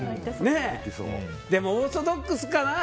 でも、オーソドックスかな。